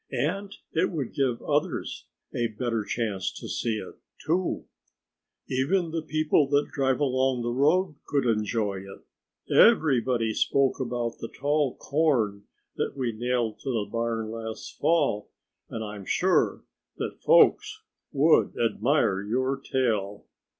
And it would give others a better chance to see it, too. Even the people that drive along the road could enjoy it. Everybody spoke about the tall corn that we nailed to the barn last fall. And I'm sure that folks would admire your tail."